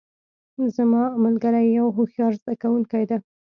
زما ملګری یو هوښیار زده کوونکی ده